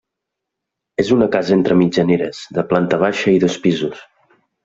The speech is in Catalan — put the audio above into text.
És una casa entre mitjaneres de planta baixa i dos pisos.